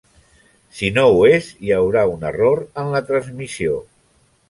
Si no ho és, hi haurà un error en la transmissió.